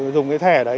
dùng cái thẻ đấy